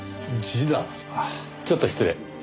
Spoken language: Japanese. ちょっと失礼。